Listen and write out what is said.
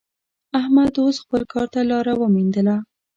احمد اوس خپل کار ته لاره ومېندله.